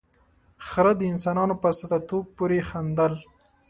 ، خره د انسانانو په ساده توب پورې خندل.